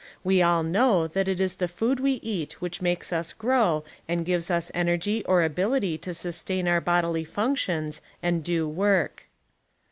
We all know that it is the food we eat which makes us grow and gives us energy or ability to sustain our bodily functions and do work.